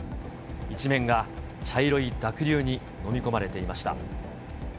一面が茶色い濁流にのみ込まれていました。